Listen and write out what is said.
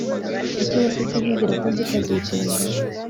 Kuki wasetse nkubwira ko nzi kazitunga